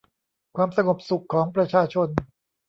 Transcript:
ความสงบสุขของประชาชน